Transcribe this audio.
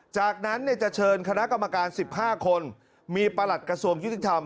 จากนั้นจะเชิญคณะกรรมการ๑๕คนมีประหลัดกระทรวงยุติธรรม